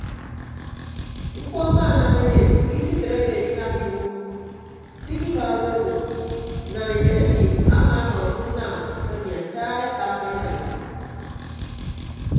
Mkpọ amaanam enyen isitreke edinam iwuo se ikiba odo odo nnanaenyen emi amaanọ mme unam emi ata ekamba idadesịd.